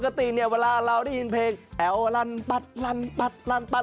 ปกติเนี่ยเวลาเราได้ยินเพลงแอลันปัดลั่นปัดลั่นปัด